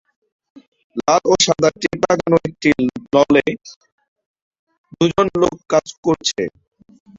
লাল ও সাদা টেপ লাগানো একটি লনে দুজন লোক কাজ করছে।